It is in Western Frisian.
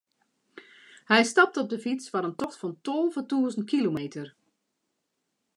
Hy stapte op de fyts foar in tocht fan tolve tûzen kilometer.